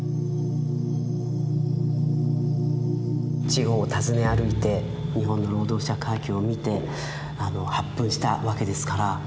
地方を訪ね歩いて日本の労働者階級を見て発奮したわけですから。